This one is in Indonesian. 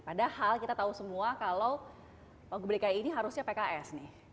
padahal kita tahu semua kalau wagub dki ini harusnya pks nih